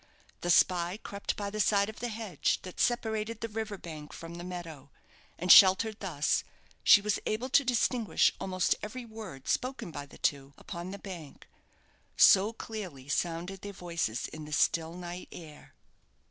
The spy crept by the side of the hedge that separated the river bank from the meadow; and sheltered thus, she was able to distinguish almost every word spoken by the two upon the bank, so clearly sounded their voices in the still night air.